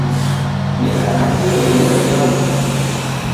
Neka na kilo imweri ya mfu.